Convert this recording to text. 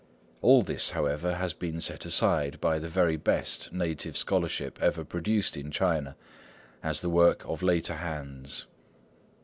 All this, however, has been set aside by the best native scholarship ever produced in China, as the work of later hands.